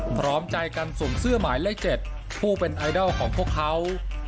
พร้อมใจกันสวมเสื้อหมายเลข๗ผู้เป็นไอดอลของพวกเขา